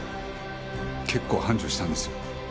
結構繁盛したんですよ。